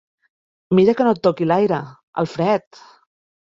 Mira que no et toqui l'aire, el fred.